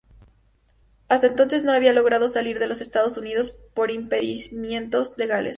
Hasta entonces no había logrado salir de los Estados Unidos por impedimentos legales.